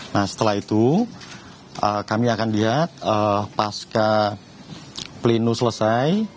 nah setelah itu kami akan lihat pas ke plenu selesai